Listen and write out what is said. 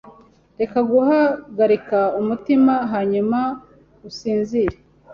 Reka guhagarika umutima, hanyuma usinzire.